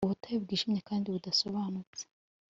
Ubutayu bwijimye kandi budasobanutse